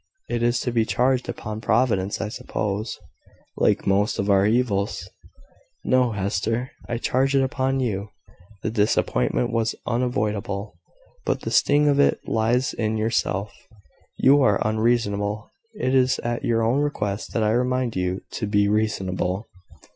It is to be charged upon Providence, I suppose, like most of our evils." "No, Hester; I charge it upon you. The disappointment was unavoidable; but the sting of it lies in yourself. You are unreasonable. It is at your own request that I remind you to be reasonable."